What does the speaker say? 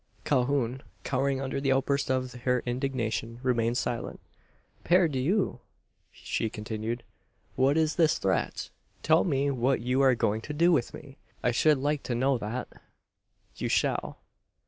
Calhoun, cowering under the outburst of her indignation, remained silent. "Pardieu!" she continued, "what is this threat? Tell me what you are going to do with me! I should like to know that." "You shall."